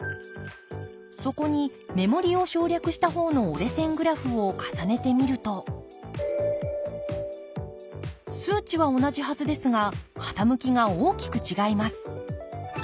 そこに目盛りを省略した方の折れ線グラフを重ねてみると数値は同じはずですが傾きが大きく違います。